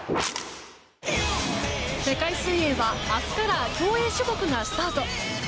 世界水泳は明日から競泳種目がスタート！